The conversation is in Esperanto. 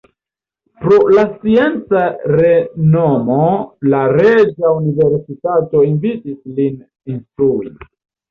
Pro la scienca renomo la Reĝa Universitato invitis lin instrui.